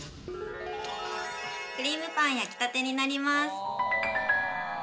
クリームパン焼きたてになります。